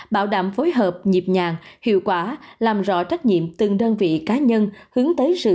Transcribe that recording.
bảo đảm phối hợp nhịp nhàng hiệu quả làm rõ trách nhiệm từng đơn vị cá nhân hướng tới sự